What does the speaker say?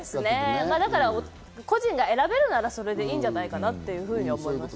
だから個人が選べるならそれでいいんじゃないかなと思います。